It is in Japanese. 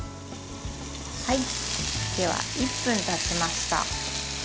では、１分たちました。